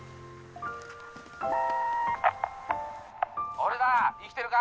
「俺だ生きてるか？